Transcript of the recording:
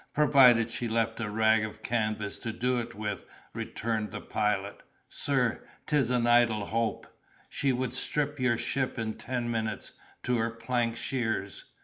"Provided she left a rag of canvas to do it with!" returned the Pilot. "Sir, 'tis an idle hope! She would strip your ship in ten minutes, to her plank shears.